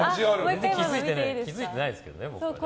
気づいてないですけどね。